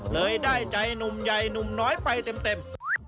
ได้ใจหนุ่มใหญ่หนุ่มน้อยไปเต็ม